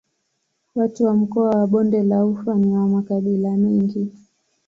Watu wa mkoa wa Bonde la Ufa ni wa makabila mengi.